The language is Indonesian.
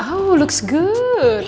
oh terlihat bagus